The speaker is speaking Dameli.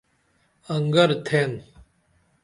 انگر تھین